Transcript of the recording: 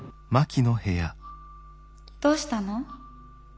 どうしたの？